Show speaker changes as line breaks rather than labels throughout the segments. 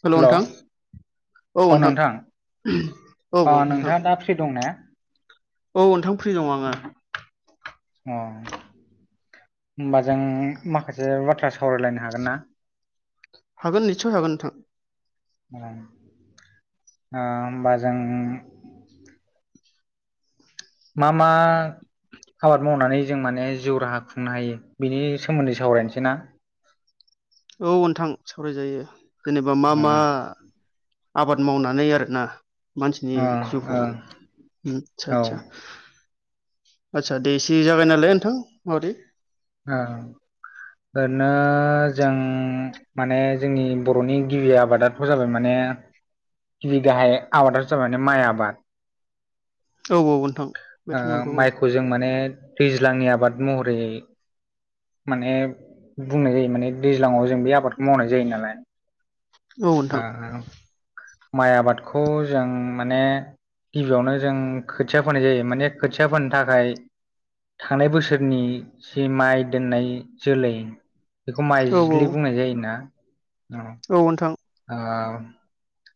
हेल' नोंथां। औ नोंथां औ
अ
औ नोंथां।
नोंथाङा दा फ्रि दंना अ
औ नोंथां फ्रि दङ आङो।
अ होमबा जों माखासे बाथ्रा सावरायलायनो हागोन ना।
हागोन निस्सय हागोन नोंथां।
ओम ओ होमबा जों। मा मा। आबाद मावनानै जों माने जिउ राहा खुंनो हायो बिनि सोमोन्दै सावरायनोसै ना।
औ नोंथां सावरायजायो जेनेबा मा
ओ
मा। आबाद मावनानै आरोना। मानसिनि
ओ
जिउखौ ओम
औ
आतसा आसा।
ओं
आतसा दे इसि जागाय नालाय नोंथां माबादि।
ओ। ओरैनो जों माने जोंनि बर'नि गिबि आबादाथ' जाबाय माने। बि गाय आबाद जाबाय माय आबाद।
औ औ नोंथां
ओ
बेथ' नंगौ औ
माइखौ जों माने दैज्लांनि आबाद। महरै। माने बुंनाय जायो माने दैज्लाङाव जों बे आबादखौ मावनाय जायो नालाय।
औ नोंथां।
ओ माइ आबादखौ जों माने। गिबियावनो जों खोथिया फोननाय जायो माने खोथिया फोननो थाखाय। थांनाय बोसोरनि जि माइ दोननाय जोलै। बेखौ
औ
माइजलि बुंनाय जायोना।
औ नोंथां।
ओ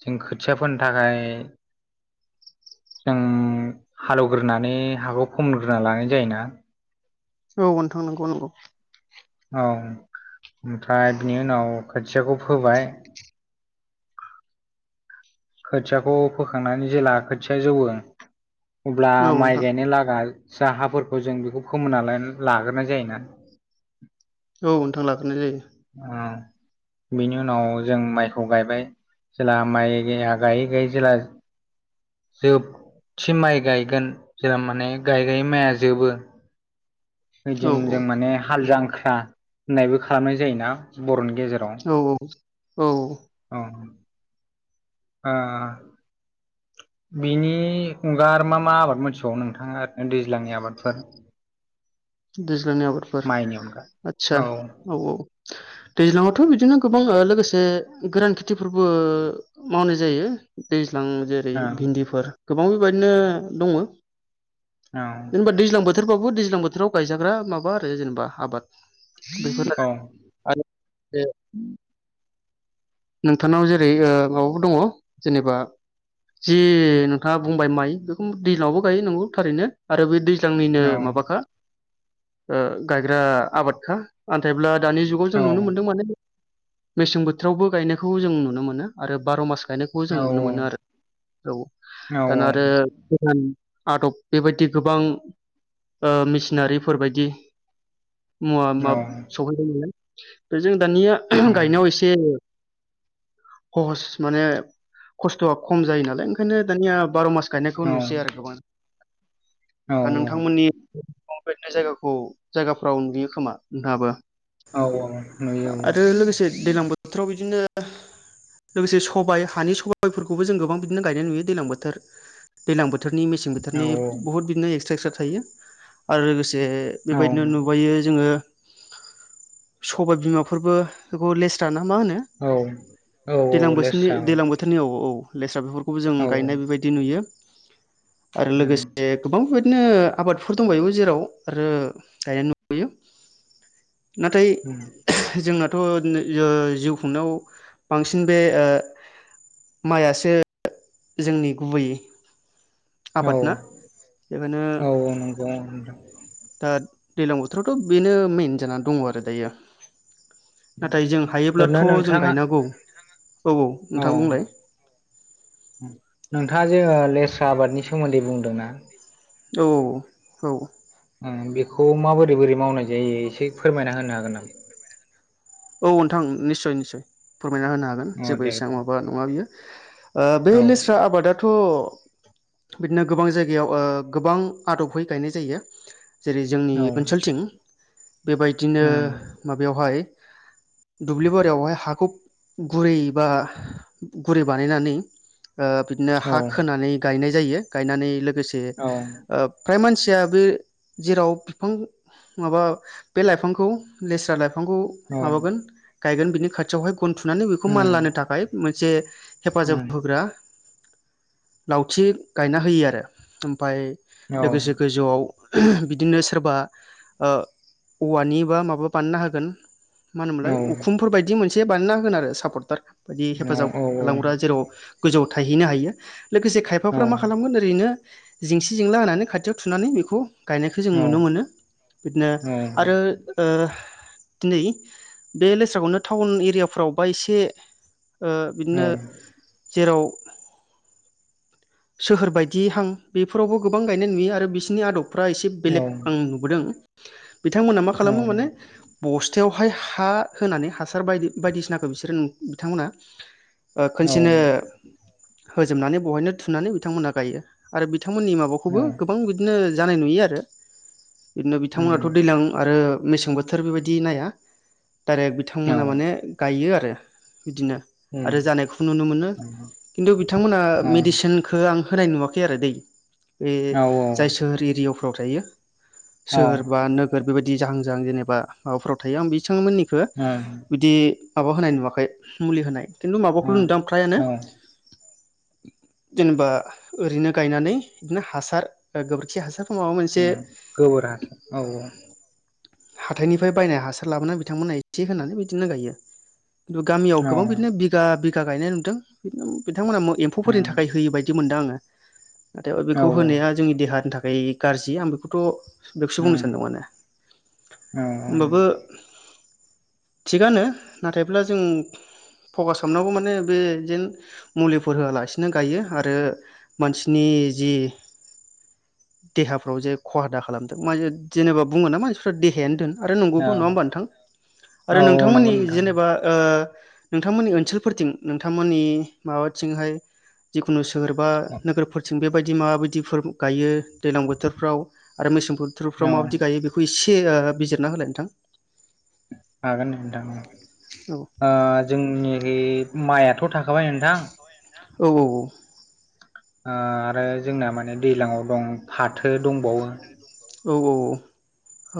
जों खोथिया फोनो थाखाय। जों हालेवग्रोनानै हाखौ फोमग्रोना लानाय जायोना।
औ नोंथां नंगौ नंगौ।
औ ओमफ्राय बिनि उनाव खोथियाखौ फोबाय। खोथियाखौ फोखांनानै जेला खोथिया जौ। अब्ला
औ
माइ
नोंथां
गायनो लागा। साहाफोरखौ जों बेखौ फोमोना लाग्रोनाय जायोना।
औ नोंथां लाग्रोनाय जायो।
बेनि उनाव जों माइखौ गायबाय जेब्ला माइ गा। गायै गायै जेला। जोबथि माइ गायगोन जेला माने गायाय माइआ जोबो।
औ
ओइदिन जों माने हाल जांख्रा होननायबो खालामनाय जायोना बर'नि।
औ औ
गेजेराव। ओ बिनि हुगार मा मा आबाद मोनथिबावो नोंथाङा आरो दैज्लांनि आबादफोर। [inaudible]
दैज्लांनि आबादफोर
माइनि अनगा
आतसा औ औ दैज्लांआवथ' बि। बिदिनो गोबां लोगोसे गोरान खेथिफोरबो मावनाय जायो दै। लां जेरै
औ
भिन्दिफोर गोबां बेबायदिनो दङ। जेनेबा
औ
दैज्लां बोथोरबाबो दैज्लां बोथोराव गायजाग्रा माबा आरो जेनेबा आबाद। बेखौनो आरो जे। नोंथांनाव जेरै ओ माबाबो दङ जेनेबा। जि नोंथाङा बुंबाय माइ बेखौ दैजलङावबो गायो नंगौ थारैनो आरो बै दैजां। बिथांनिनो
औ
माबाखो ओ गायग्रा आबादखो नाथायब्ला। दानि जुगाव जों
औ
नुनो मोनदों माने मेसें बोथोरावबो गायनायखौ जों नुनो मोनो आरो बार' मासाव गायनायखौ
औ
जों नुनो मोनो आरो औ
औ
दाना आरो गोदान आदब बेबायदि गोबां ओ मेसिनारिफोरबायदि मुवा
औ
मा सहैबायमोनालाय ओमफ्राय जों दानिया गायनायाव एसे हहस माने खस्थ'आ खम जायो नालाय ओंखायनो दानिया बार' मास गायनायखौ
औ
नुसै आरो गोबां
औ
दा नोंथांमोननि खमफ्लटनाय जायगाखौ जायगाफ्राव नुयो खोमा नोंथांहाबो
औ नुयो
आरो लोगोसे दैलां बोथ बिदिनो लोगोसे सबाइ हानि सबायाइफोरखौबो जों गोबां बिदिनो गायनाय नुयो दैलां बोथोर दैजलां बोथोर थोरनि मेसें
औ
बोथोरनि बुहुत बिदिनो एक्सट्रा एक्सट्रा थायो आरो लोगोसे जे
औ
बेबायदिनो नुबयो जोङो। सबाय बिमाफोरबो बेखौ लेस्रा ना मा होनो
औ औ
दैलां बोसोरनि
लेस्रा
दैज्लां बोथोरनि औ औ। लेस्रा बेफोरखौबो जों
औ
गायनाय बेबायदि नुयो। आरो लोगोसे गोबां बेबायदि नो आबादफोर दंबायोबो जेराव रो गायनानै नुबोयो। नाथाय जोंनाथ' नो यो जिउ खुंनायाव बांसिन बे ओ माइआसो जोंनि गुबै
औ
आबादना बेखायनो
नंगौ ओरैनो
दा दैलां बोथोरावथ' बेनो मेेन जानानै दङ आरो दायो। नाथाय जों हायोब्लाथ' जों
नोंथाङा
गायनांगौ। औ औ नोंथां बुंलाय
नोंथाङा जे ओ लेस्रा आबादनि सोमोन्दै बुंदोंना
औ औ।
ओम बेखौ माबोरै बोरै मावनाय जायो एसे फोरमायना होनो हागोन नामा
औ नोंथां निस्सय निस्सय। फोरमायना होनो हागोन
अ
जेबो
दे
इसेबां माबा नङा बियो ओ बे
औ
लेस्रा आबादाथ' बिदिनो गोबां जायगायाव ओ गोबां आदबहै गायनाय जायो। जेरै जोंनि
औ
ओनसोलथिं बेबायदिनो
उम,
माबायावहाय दुब्लि बारियावहाय हाखौ गुरै बा गुरै बानायनानै ओ बिदिनो हा खोनानै गायनाय जायो गायनानै लोगोसे
औ
ओ फ्राय मानसिया बे जेराव फिफां माबा बे लाइफांखौ लेस्रा लाइफांखौ
औ
माबागोन गायगोन बिनि खाथियावहाय ग गनथुनानै बेखौ
उम
मानलानो थाखाय मोनसे हेफाजाब
उम
होग्रा लावथि गायना होयो आरो ओमफाय
औ
लोगोसे गोजौआव बि बिदिनो सोरबा ओ औवानि बा माबा बानायनो होगोन। मा होनोमोनलाय
औ
उखुमफोर बायदि मोनसे बानायना होगोन आरो सापर्टार। बायदि
औ
हेफाजाब
औ
खालामग्रा जेराव गोजौआव थायहैनो हायो। लोगोसे खायफाफ्रा मा खालामगोन ओरैनो जिंसि जेंला होनानै खाथियाव थुनानै बेखौ गायनायखौ जों नुनो मोनो बिदिनो आरो ओ दिनै बे लेस्राखौनो टाउन एरियाफ्रावबा एसे ओ बिदिनो जेराव सोहोरबायदि हां बेफोरावबो गोबां गायनाय नुयो आरो बिसिनि आदब फ्रा एसे बेलेग आं नु‌बोदों बिथांमोना मा
औ
खालामो माने बस थायावहाय हा होनानै हासार बायदि बायदिसिनाखौ बिसोरो बिथांमोना ओ खनसेनो होजोबनानै बहायनो थुनानै बिथांमोनहा गायो आरो बि बिथांमोननि माबाखौबो गोबां बिदिनो जानाय नुयो आरो बिदिनो बिथांमोनाथ' दैज्लां आरो मेसें बोथोर बिबायदि नाया डाइरेक बिथांमोना माने गायोआरो बिदिनो आरो जानायखौ नुनो मोनो किन्तु बिथांमोना मेडिसिन खो आं होनाय नुवाखै आरोदै बे जाय सोहोर एरियाफ्राव थायो सोहोर बा नोगोर बेबायदि जाहां जाहां जेनेबा माबाफोराव थायो आं बेसांमोननि खो
औ
बिदि माबा होनाय नुवाखै मुलि होनाय किन्तु माबाखौल नुदोआं प्रायानो जेनेबा ओरैनो गायनानै बिदिनो हासार ओ गोबोरखि हासार
उम गोबोरहास औ औ
हाथाइनिफ्राय बायनाय हासार लाबोना बिथांमोनहा इसे होनानै बिदिनो गायो। गामियाव
औ
गोबां बिदिनो बिगा बिगा गायनाय नुदों बिथांमोना एम्फौफोरनि थाखाय बेबायदि मोनदोआङो नाथाय बेखौ होनाया जोंनि देहानि थाखाय गाज्रि आं बेखौथ' बेखोसो बुंनोसानदों माने ओमबाबो थिगानो नाथायब्ला जों- फकास खामनांगौ माने बे जेन मुलिफोर होआलास होयो आरो मानसिनि जि देहाफ्राव जे खहा दा खालामदों म जेनेबा बुङोना मानसिफ्रा देहायानो धोन- आरो नंगौबो नङाओमबा नोंथां
औ
आरो
नंगौ
नोंथांमोननि
नोंथां
जेनेबा ओ नोंथांमोननि ओनसोलफोरथिं नोंथांमोननि माबाथिंहाय जिखुनु होरबा नोगोरफोरथिं बेबायदि मा बायदिफोर गायो दैलां बोथोरफ्राव आरो मैस
औ
बुद्रुफ्राव माबायदि गायो बिखौ इसे ओ बिजिरना होलाय नोंथां।
हागोन नोंथां
औ
ओ जोंनिहि माइआथ' थाखा खाबाय नोंथां।
औ औऔ
ओ आरो जोंना माने दैलांआव दं फाथो दंबावो
औ औऔ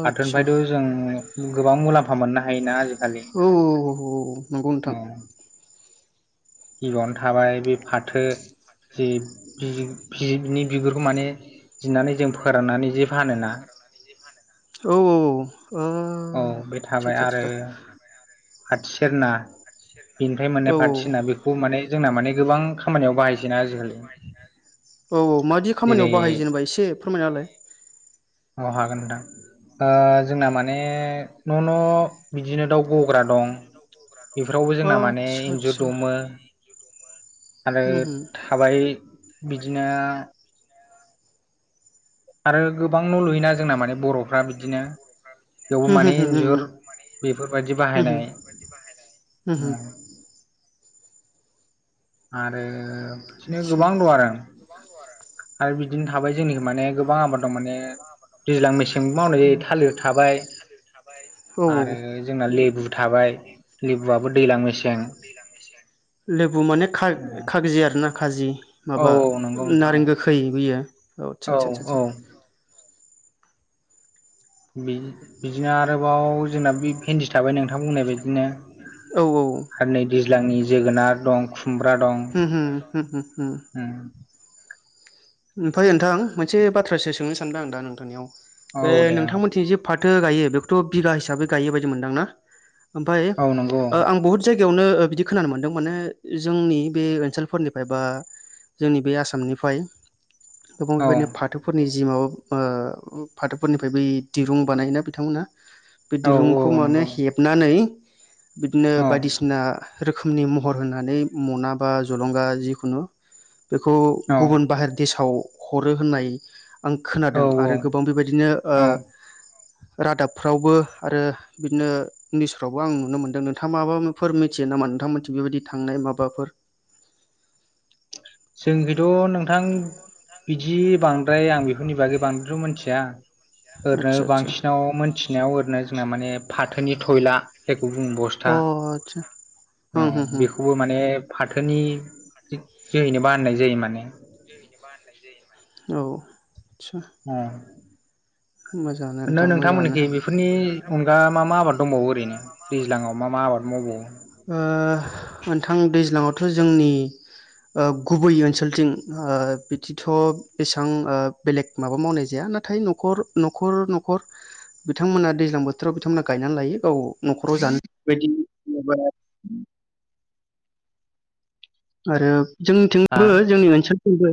हाथोनिफ्रायथ' जों गोबां मुलाम्फा मोननो हायोना आजि
औऔऔऔ नंगौ नोंथां
गिबावनो थाबाय बे फाथो जे [unintelligible] बिगुरखो माने जिनानै जों फोरानानै जि फानोना
औ औऔ
औ बे थाबाय आरो खाथिसेरना बिनिफ्राय मोननाय
औ
फाथिसिना बेखौ माने जोंना माने गोबां खामानियाव बाहायसैना आजिखालि
औ औ मादि
जेरै
खामानियाव बाहायो जेनेबा इसे फोरमायना होलाय
औ हागोन ओ जोंना माने न' न' बिदिनो दाव ग ग्रा दं बेफोरावबो जोंना माने
आतसा
इन्जुर
आतसा
दुमो आरो थाबाय बिदिनो आरो गोबां न' लुयोना जोंना माने बर'फ्रा बिदिनो बेवबो माने इन्जुर बेफोरबायादि बाहायनाय उम आरो बिदिनो
आतसा
गोबां दंआरो आरो बि बिदिनो थाबाय जोंनिखि माने गोबां आबाद दं माने दैज्लां मेसें जों मावनाय थालिर थाबाय
औ
आरो
औ।
जोंना लेबु थाबाय लेबुआबो दैज्लां मेसें
लेबु माने- खाग खागजि आर ना खाजि
औ
माबा
नंगौ नोंथां
नारें गोखै बैयो औ आसासा सा सा
बि बिदिनो आरोबाव जोंना बे भेन्दिस थाबाय नोंथां बुंनाय बायदिनो
औ औ
लांनि जोगोनार दं खुमब्रा दं उम
ओमफाय ओन्थां मोनसे बाथ्रासो सोंनो सानदो आं दा नोंथांनियाव
औ
बे
दे
नोंथांमोनिथि जे फाथो गायो बेखौथ' बिगा हिसाबै गायो बायदि मोनदां ना ओमफायो
औ नंगौ
ओ आं बुहुद जा गायावनो ओ बिदि खोनानो मोनदों माने जोंनि बे ओनसोलफोरनिफायबा जोंनि बे आसामनिफाय गोबाव
औ
बेबायदिनो फाथोफोरनि जि माबा ओ फाथोफोरनिफाय बि दुरुं बानायोना बिथांमोना बे
औ औ
दिरुंखौ माने
नंगौ
हेबनानै बिदिनो
औ
बायदिसिना रोखोमनि महर होनानै मना बा जलंगा जिखुनु बेखौ
औ
गुबुन बाहेर देशाव हरो होननाय आं
औ
खोनादों आरो गोबां बेबायदिनो ओ
औ
रादाबफ्रावबो आरो बिदिनो निउसफ्रावबो आं नुनो मोन्दों नोंथाङा माबाफोर मिथियो ना मा नोंथांमोनथि बेबायदि थांनाय माबाफोर
जोंनिखैथ' नोंथां बिदि बांद्राय आं बेफोरनि बागै बांद्राय मिथिया
आदसा
ओरैनो
आदसा
बांसिनाव मोनथिनायाव ओरैनो जोंना माने फाथोनि थयला गुबुं बस्था
अ आदसा
औ
ओम होम होम
बेखौबो माने फाथोनि जोहैनो बाननाय जायो माने
फाथोनि जोहैनो बानायनाय जायो माने औ आदसा
अ
मोजाङानो
ओरनो
नोंथां मोजाङानो
नोंथांमोनखि बेफोरनि अनगा मा मा आबाद दंबावो ओरैनो दैज्लाङाव मा मा आबाद मावबावो?
ओ ओन्थां दैज्लाङावथ' जोंनि ओ गुबै ओनसोलथिं ओ बिदिथ' बेसां ओ बेलेग माबा मावनाय जाया। नाथाय न'खर न'खर न'खर बिथांमोना दैज्लां बोथोराव बिथांमोना गायनानै लायो गाव न'खराव जानो बेबायदि [unintelligible] [inaudible] आरो
हा
जोंथिंबो जोंनि ओनसोलफोरबो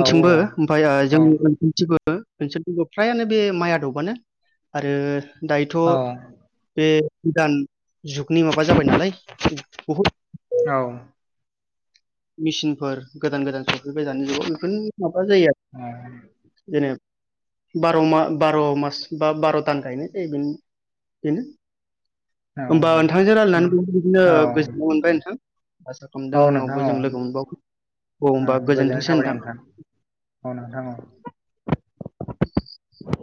औ
ओमफाय आ
औ
जोंनि ओनसोलथिबो ओ ओनसोल फ्रायानो बे माइ आदबानो आरो दायोथ'
औ
बे गोदान जुगनि माबा जाबाय नालाय बहुद
औ
मिसिनफोर गोदान गोदान सब फैबाय दानि जुगाव बेफोरनो माबा जायो
औ
आरो जेनेब बार' मा बार' मास बा बार' दान गायनाय जायो बेन बेनो
औ
ओमबा नोंथांजों रायलायनानै बिदिनो
औ
ओ गोजोननाय मोनबाय नोंथां आसा खामदों
औ
उनाव
नोंथां
बो
औ
जों लोगो मोनबावगोन औ ओमबा गोजोन्थोंसै नोंथां
औ नोंथाङो औ
[inaudible]